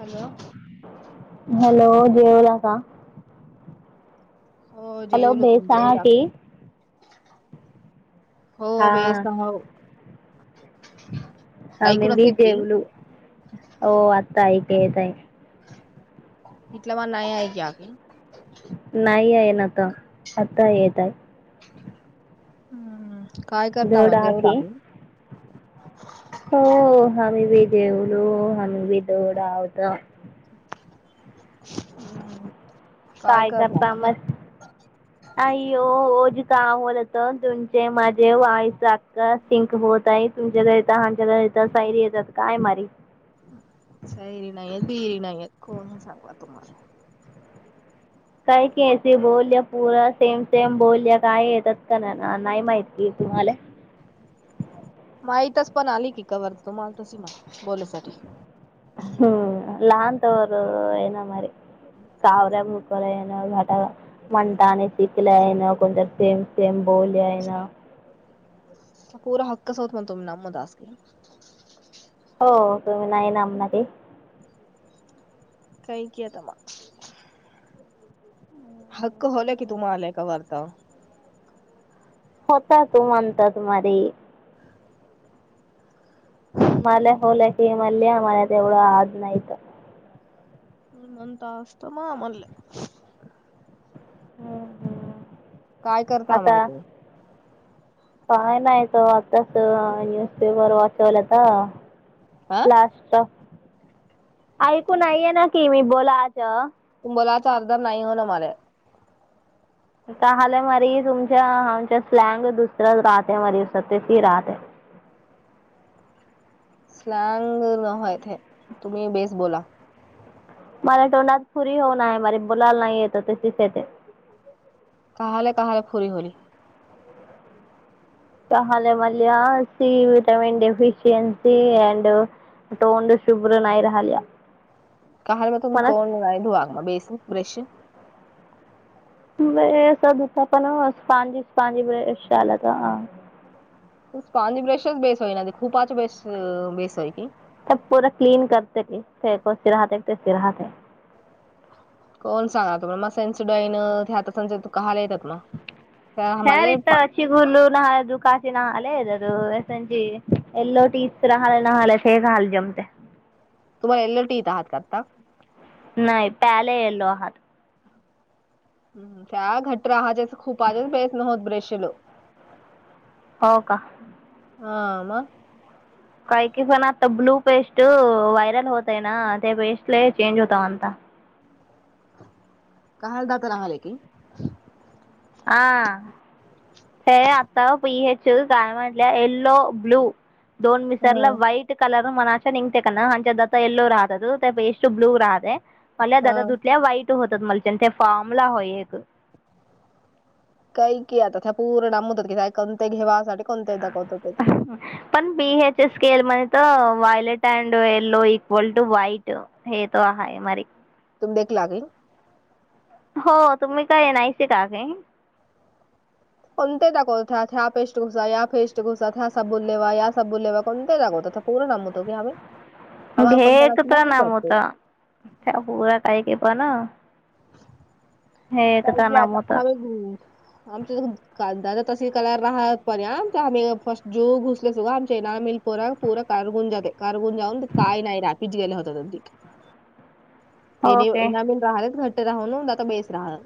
Hello hello बोला आता हो हॅलो जेवलो बेस तुम्ही जेवला की हो हा बेस हो आ मी ऐकून असेल पण की जेवले आता ई पेतय इट म नाहीय क्या क [unintelligible] नाही आहे ना आता आताय येतय हम्म काय करता मग जवडा जेवला हखे की [unintelligible] हो आम्ही बी जेवलो हम्म भी उडीदवडा होतो. हम्म काय करता मग? आई हो ओजी का आमोल होत तुमचे माझे वायस सिंक होत आहे तुमच्या घडे येत हच्या घ येत सायरी येतात काय मारी सैरी नाही बिरी नाही कोण सांगा तुम्हाला? काय की बोलया पुूर सेम सेम बोलल्या काय येतात का नाही माहिती तुम्हाला? माहीतच पण आली की कावरत तुमल तर सीमा बोलसाठी हम्म लह तवरर ना म कावऱ्या मुटोर न भटा [unintelligible] मणटाने शिकलेयना को सेम सेम बोली आयना [unintelligible] प पुरा हक्स होत मण तुमही नम दासे [unintelligible] हो तुम्ही नाही नामना त [unintelligible] कही कत मा [unintelligible] हक्क होल की तुम्हा आलाय का वरता [unintelligible] होता तू म्हणता तुमारी [unintelligible] मल होलाकी मल म द एवळ आनयत [unintelligible] मणमंत असस्तमा मले [unintelligible] हम्म हम्म काय करता आता मग तुम्ही काय नाही तो आताच न्यूजपेपर वाचवला तर हा लास्ट ऐकून नाहीे ना कि मी बोला आज तुबलाचा आजदार नाही हो ना मला [unintelligible] हलंय मारी तुमच्या आमच्या स्लँग दुसर्या राहतय म सते ती राहत [unintelligible] स्ल नय ते तुमही बेस बोला [unintelligible] मला्या तोंडात फुरी होऊन आहे मझ बोलाला नाही येतं तशीच येते [unintelligible] काले काले फुरी होल [unintelligible] ले मल सी विटमिन डेफिशिएनसी अ [unintelligible] तोंड शुभ्र नाही राहिल्या काल म तु मला तोड ध आक बेसन ब्रश [unintelligible] स्पांज ब्रशच बेस होई ना ते खूपाच बेस्ट बेस आहेय की. [unintelligible] त्यात पोर क्लीन करतेती त्यात काशी राहत्यात तशी राहत्या कोण सांगायल तुमाला मग सेन्सुडायन याचे दात का हालायलेत मग? त्या ठेव आम्हाला पा- हितच. शिगुर्ल ना दुखायचे ना येलो तिथ राहाला नाहाला जमते तुम्हाला एल टी येत आहात आता नाही प्याले येलो आहात हम् च घट्र हजेस खूप आजस बेस नव होत ब्रेशल [unintelligible] हो का हा मग काही काही जण आता ब्लू पेस्ट व्हायरल होतय ना त्या वेळेस लय चेंज होता म्हनता. काल दात रगले की आ! हे आता पी एचल काय म्हटल्या येल्लो ब्लू दोन हम्म, विसरलं व्हाईट कलर मनाशा निघेकना कनाया आता यलो राहते बेस्ट ब्लू राहाते मल्या दादा हा. तुथल्या वाईट होतात मलच्या आणि ते फामला होय एक काही की आता त्या पूर्ण मुदत कि काय कोणत घेवासाठी कोणते दाखवत होते ते. पण बी एच स्केल म्हणे तर violet and yellow equal to white हे तो हाय मारे तुब्देख लागलं? हो तुम्ही काय नाहीसे का काय कोणते दाखवता ह्या पेस्ट घुसा या पेस्ट घुसात ह्या सबू लेवा या साबण लेवा कोणते दाखवता पुरा नाम होतो का भेटत ना मोत त्या पुरा काही पण हे काय तर की नाम आता होता हवे ग आमच कांदा तर तसे कयला राहत पर्य आम आम्ही जो घुसले सो आमच्या येणार पोरा पुरा करगून जाते कारगून जाऊन काय नाही रापीच गेलं होत अगदी ते ओके येनामीन राहलेच घट्ट राहूून आता बेस राहणार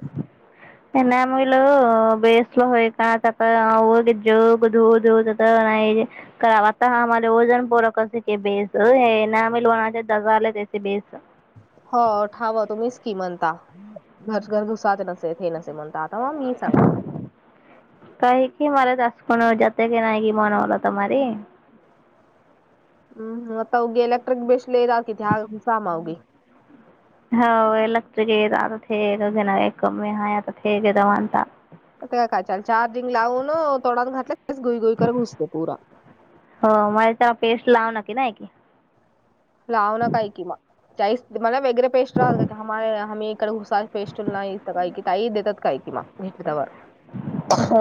त्यांना मुलं बेसलं होय का त्या जधू धूत नाही. करा आता आम्हाला वजन पोरके क बेस हे ना आमही लनाचे दजारले त्या बेस [unintelligible] हो ठाव तुम्हीच की म्हणता घर घर घुसात नसे हे नसे म्हणता आता म मी सांगता. का की मला तस् कोन टास्क नाही की मन होल तमारी हम्म मत्वी एलेक्ट्रिक बेसल एकाकतित ह सामावगी. हो इलेक्ट्रिक येत आता थे घे ना एक कमी आहे आता थकेत म्हता काय काय चार्जिंग लावून तोडान घातले गुई गुई कर घुसते पुरा. हो माहीत्या पेस्ट लावल की नाही की लाव नं काय कि म. चाईस मला वेगरे पेस्ट राहतात कामे आम् इकडे हुसा पेस्ट नाही काही की ता देतात काय कि मग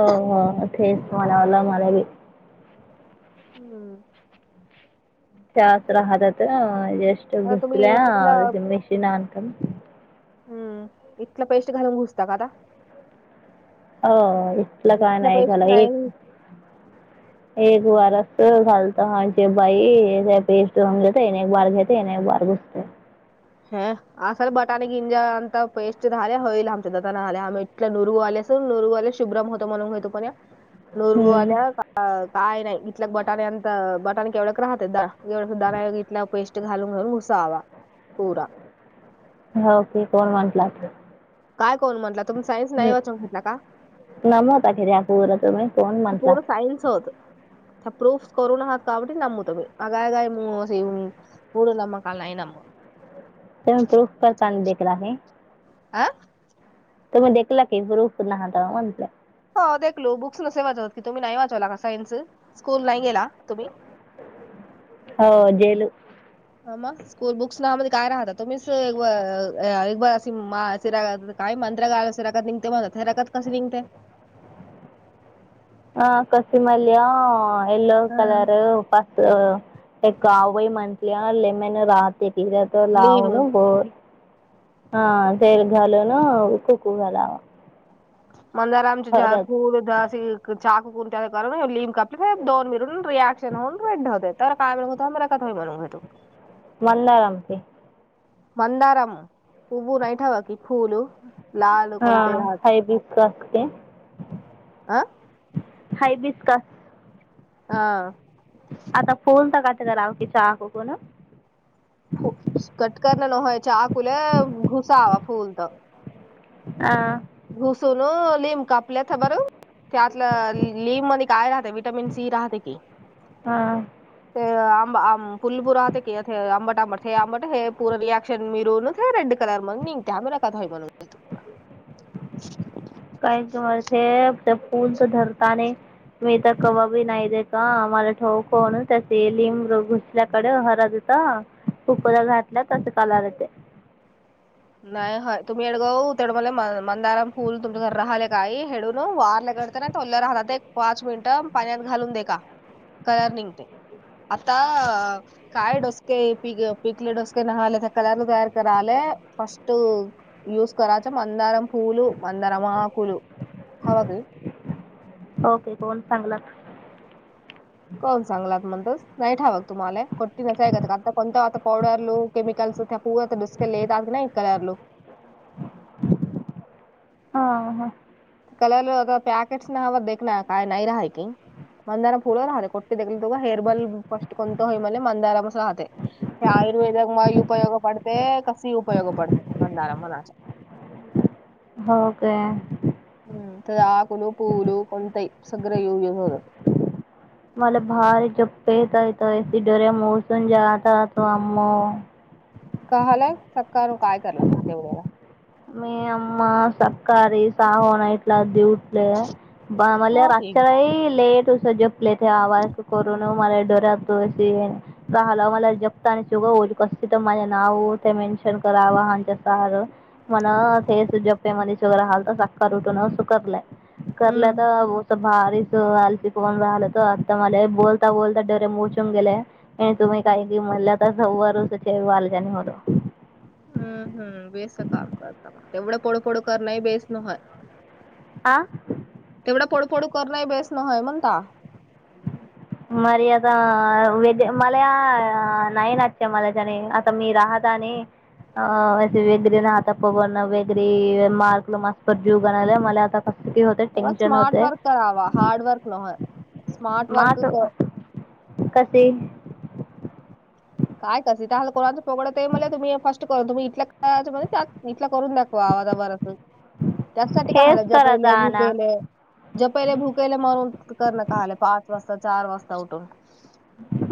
[inaudible] हो हो तेच म्हणावला मला बी हम्म! त्याच राहतात्या ज्येष्ठ आता तुम्ही इथलं बुसल्या मेशीन आणत हम् इथलं पैसे घालून घुसता का आता. अ इथलं काय नाही पेस्ट झाला एक नाही [inaudible] एक बार असत घालत म्हजे बाई पेट जंगले एक बार घेत नाही बार घुसतय. ह असा बटाणे गिंजा अता पेस्ट झाल्या होईल आमच्या दल्या आम इतल्या नुरगू आल्या. नुरुवाल्या शुभ्रम होत म्हणून पण हम्म. नुरुवाल्या अ काय नाही इथल्या बटाणेंत बटाण केवढ्या राहतात दवढ तला पेस्ट घालून घालून घुसावा पुरा. हो क कोण म्हण पला. काय कोण म्हटला तुम्ही सायन्स नाही वाचून घेतला का. नमता खरी आपू ना तुमही पोर सांयनस होत. प्रूफस कररोूनकात काबटी नमुतो म आगाय का म मूड नमकाला नाही नम ते प्रूफ करताना देखील आहे. आ? तुम्ही देखला की बरपूहता म्ह हो देखलो बुक्स नसे वाचवतात की तुम्ही नाही वाचवला का सायन्स स्कूल नाही गेला तुम्ही [inaudible] हो जेल ह स्कूल बुक्स ना म काय राहता तुम्हीच एक अ मा रा काय मंत्रगयला असं रगत निघते म्हण रगत कसं निघते ह कोस मल येलो हा. कलर पा अ एक गाव बाई म्हटल्या लेमन राहते तेचात तो लिम लावण बोर ह तेीरघालन उ ख खू घ लावा मंदारामचे फूलस चाक कोण त्या कर लिम कप दोन मिळून रिॲक्न होन भेेव होते तर काय मिळून होत मला क म्हणून भ तू मंदळमप मंदारम उभू नाही ठेवा कि फुल हा हायब असते हं? हायबस्का हा आता फोन तर काात कराव की क कोण [unintelligible] अ घुसून नीम काप आपल्या बर ते आतलं लिंब काय राहते विटमिन सी राहते की हां ते आंब फुलबूरहते की आंबट आंबट हे आंबट हे पूरं रिॲक्शन मिरून रेड कल मण त्याॅमरा काय म्हनून क [inaudible] [inaudible] काय सेब ते फूल तर धरता ने मी तर कबाबी नाही दे का आम्हाला ठोकण त्याचे लिम घुसल्याकडे हर त कुकड घातल्या तस कलर चे नाही हय तुम्ही हेडगा तेढं मला म मंदाराम फुल तुमच्या घर राहिले काय हेडून वारल्या कर [unintelligible] राह एक पाच मिनिट पाण्यात घालून दे का कलर निंगततोय आता अ काय डोसके प पिकले डोसके नाही आले त्या कललू तयार करा आले फस्ट युज कराच मंदारम पूल मंदारम आकल हवाग ओके कोण चांगला कोण सांगलात म्हणतोस नाही ठावाक तुम्हाला कोटी न ऐत आता कोणत आता पावडर लू केमिकलस पू डुसकलेे त ना कलरलो हा ह कलर पॅकेट्स न हव दे ना काय नाही राहाय काी मंदारम फुल राहते कोटे तु हेर बल फस्ट कोण होई म मंदाराम अस राहते हे आयुर्वेदक म उपयोग पडते कस उपयोग पडते मंदारा मनाच्या हो काे हम्म त आकल पूवल कोंतई सगर यू हर मला भारी झोप येतयत डोर्या मोसून जााततो अमो कलय सक्का काय करला तुम्ही तेवढ्याला मी अ्म सकाारी सागोन इटला दीऊ मला हॉबी रातरही लेट उस जपले ते आवारक करून मला ोरतो असशी हाल मला जगत आणि चुगव कस तर माझे नाव ते मेन्शन करावं हच्या सहारं मण तेस जप्पे मध्ये शगर हालत साख उटून सु करलंय करल्या हम्म तर भारीच हलतीिकन राहिलं तर आता मला बोलता बोलता डरे मोचून गेले आणि तुम्ही काही म्हणलं तर सव्वारच वालजणी म हम्म हम्म बेस काम करत मग तेवढं पोडू पोडू कर नाही बेसण हय आ तेवढं पडफोडू करण बेस नय म्हणता मरी आता वज मलाया नयन नच्या मलाज आणि त मी राहताने अे वेगळे ना आता प बण वेगरे मार्कल मास्प जीव गणाला मला आता कसं की होते अ टेन्शन स्मार्ट होते वर्क आवा हारड वर्क न स्मार्ट वर्क क कसे काय कस कोणाचं पोडत आहे मला तुम्ही फर्स्ट करून तुम्ही इथ इथला करून दाखवा आवाजावर असून त्याचसाठी का हला हेच करत जपले ना भुकेले ज पहिले भुकेला मरून करण काले पाच वाजता चार वाजता उठून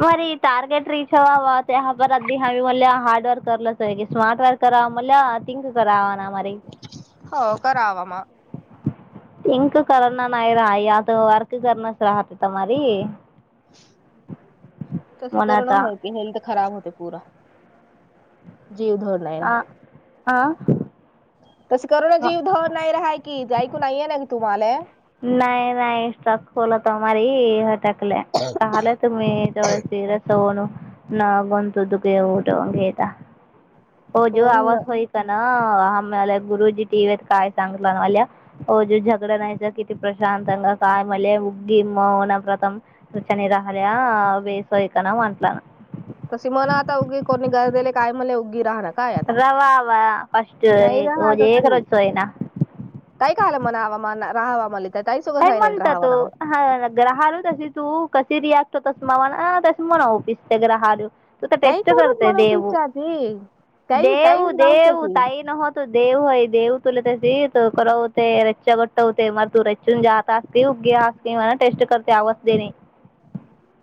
मरी टारगेट रीच अव ते हबरधदी हवी म हार्ड वर्क करर्लस स्मार्ट वर्क करावा म्हथिंक कररावा ना मर हो करावामा पिंक करल ना नाही राहा या तर वर्क करणच राहते तुम्हाारी तस म्हणून करण आता होय हेल्थ खराब होते पू जीव धोर आ आ तस करुून जीव धवन नाही राहाय कि ऐकून नाहीये नाी तुम्हाला नाहीय नाही स्टक खोला तमारी टाकलं काल तुम मही जवळ सिरास होण न ग तु तु गठ गेयता हो जो कोण आवाज होई आमला गुरुजी टीव्ही काय सांगलंल्या ज झगडं नाहीयच प्रशात काय मले मुग्ग मौन व्रतम तु चनी राहल्या बेसयकना म्हंटला ना तसी मला आता उगी कोणी गरजेले काय म्हले उगी राहणार काय आता रवावा नाही फस्टजकर रजईना काय काल मना हवामा राहावा म का म्हणत तो हा ग्राहल्य तशी तू कशी रिॲक्ट होतस मा ना तस म्हणावपिस ते ग्रहाल्य तू ताई टेस्ट कोणच करतेय मनवू देऊ इच्छाती ताई देऊ ताईच राहते देऊ की ताई न होत तू देव आहे देव तुला त्या त कररा होते रच्चा घट्ट होते म तू ून जात असते उगे असते म टेस्ट करते आवाज देणे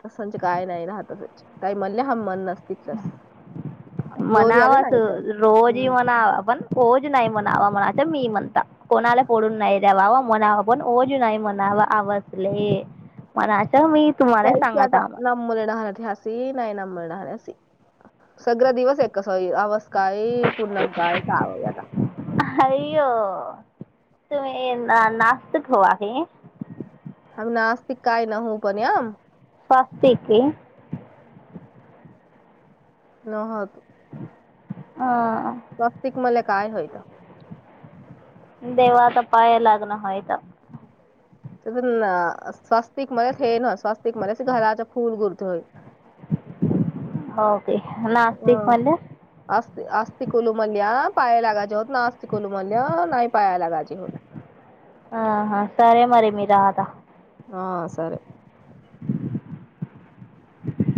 तस म्हज काय नाही ना ह त काही म्हणले हा मन नसत आले म्हनावाच नाही तर रोजही म्हणाव पण होज नाही म्हणावा म्हणाच मी म्हणता कोणाला पडून नाही जवावा म्हणाव पण ओज नाही म्हणाव आवजले मनाच मी तुम्हाला काही क सांगत आता आम्हाला हण्या ह नाही ना मुरहाानी सगळा दिवस आहे कस अवस्थ काही पूर्ण कायचव आहे आता हरओ तुम्ही ना नास्तिक होवा आहे [unintelligible] [unintelligible] नहतो ह स्वस्तिक मले काय होयत देवा तर पाय लाग्न होय तर त्या स्वस्तिक मध्ये हे ना स्वस्तिक मध्येच घराच्या फूल गुरते होई होके नास्तिक अं. मध [unintelligible] [unintelligible] ह सर